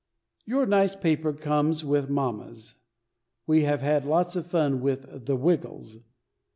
Your nice paper comes with mamma's. We have had lots of fun with the "Wiggles."